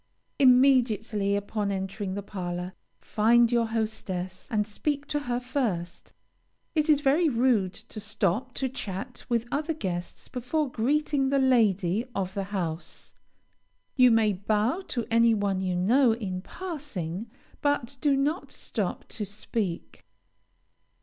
Immediately upon entering the parlor find your hostess, and speak to her first. It is very rude to stop to chat with other guests before greeting the lady of the house. You may bow to any one you know, in passing, but do not stop to speak.